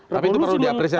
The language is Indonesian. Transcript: tapi itu perlu diapresiasi